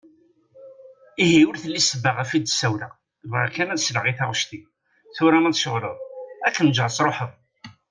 Ihi ur telli ssebba ɣef i d-ssawleɣ ; bɣiɣ kan ad d-sleɣ i taɣect-im. Tura ma tceɣleḍ ad kem-ǧǧeɣ ad truḥeḍ.